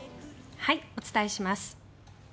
お伝えします。